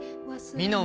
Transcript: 「ミノン」